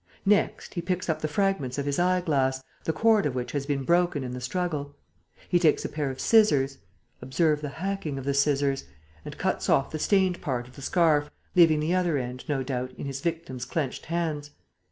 Next, he picks up the fragments of his eyeglass, the cord of which has been broken in the struggle. He takes a pair of scissors observe the hacking of the scissors and cuts off the stained part of the scarf, leaving the other end, no doubt, in his victim's clenched hands.